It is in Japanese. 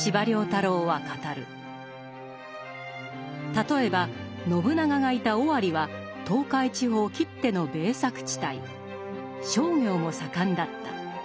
例えば信長がいた尾張は東海地方きっての米作地帯商業も盛んだった。